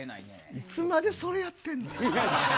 いつまでそれやってんねん。